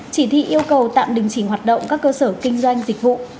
chỉ thị yêu cầu tạm đình chỉ hoạt động các cơ sở kinh doanh dịch vụ